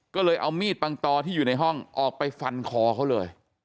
ก็เลยเอามีดปังตอที่อยู่ในห้องออกไปฟันคอเขาเลย